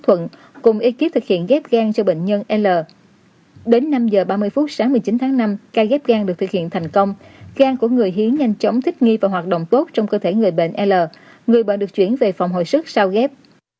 tại giờ ba mươi phút sáng một mươi chín tháng năm ca ghép gan được thực hiện thành công gan của người hiến nhanh chóng thích nghi và hoạt động tốt trong cơ thể người bệnh l người bệnh được chuyển về phòng hồi sức sau ghép